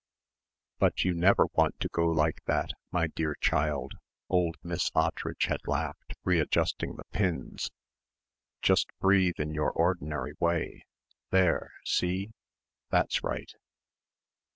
... "But you never want to go like that, my dear child," old Miss Ottridge had laughed, readjusting the pins; "just breathe in your ordinary way there, see? That's right."